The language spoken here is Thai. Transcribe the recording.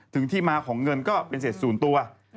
ถึงที่มาของเงินก็เป็นเสร็จศูนย์ตัว